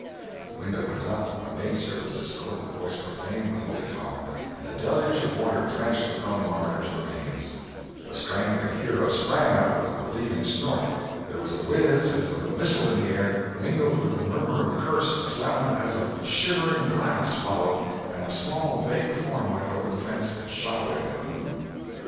The window went up, a maid servant's discordant voice profaned the holy calm, and a deluge of water drenched the prone martyr's remains! The strangling hero sprang up with a relieving snort. There was a whiz as of a missile in the air, mingled with the murmur of a curse, a sound as of shivering glass followed, and a small, vague form went over the fence and shot away in the gloom.